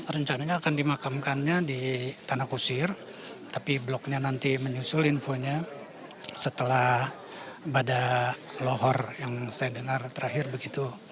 rencananya akan dimakamkannya di tanah kusir tapi bloknya nanti menyusul infonya setelah badak lohor yang saya dengar terakhir begitu